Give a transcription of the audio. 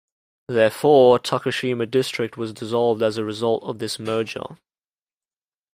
Therefore, Takashima District was dissolved as a result of this merger.